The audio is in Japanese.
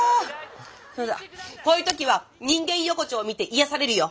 そうだこういう時は人間横丁を見て癒やされるよ。